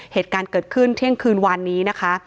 เหตุการณ์เกิดขึ้นเที่ยงคืนวานนี้นะคะ